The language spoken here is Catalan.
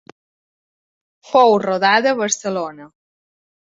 Fou rodada a Barcelona.